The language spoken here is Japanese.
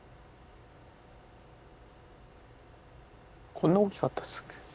こんな大きかったですっけ？